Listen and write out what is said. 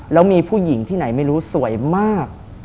แล้วมีผู้หญิงที่ไหนไม่รู้สวยมาก